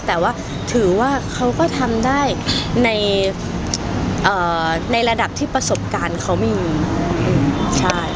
แต่ว่าถือว่าเขาก็ทำได้ในระดับที่ประสบการณ์เขามีใช่